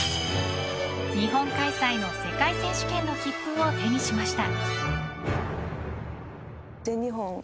日本開催の世界選手権の切符を手にしました。